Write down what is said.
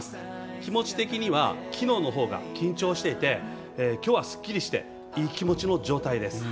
気持ち的にはきのうのほうが緊張していてきょうはすっきりしていていい気持ちの状態です。